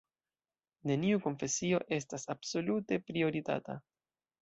Neniu konfesio estas absolute prioritata.